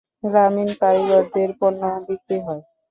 গ্রামীণ কারিগরদের পণ্য বিক্রি হয়।